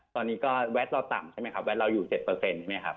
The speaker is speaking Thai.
ตอนนี้ก็แวดเราต่ำใช่ไหมครับแวดเราอยู่๗ใช่ไหมครับ